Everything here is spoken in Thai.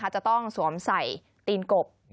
จะต้องสวมใส่ตีนกบ